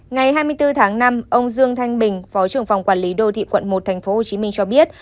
ngày hai mươi bốn tháng năm ông dương thanh bình phó trưởng phòng quản lý đô thị quận một tp hcm cho biết